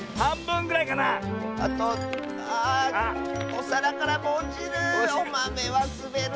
おさらからもおちる。